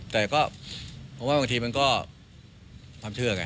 แต่ก็ผมว่าบางทีมันก็ความเชื่อไง